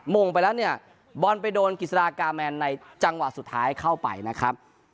งงไปแล้วเนี่ยบอลไปโดนกิจสดากาแมนในจังหวะสุดท้ายเข้าไปนะครับ